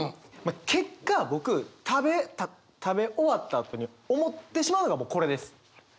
結果僕食べ終わったあとに思ってしまうのはこれです。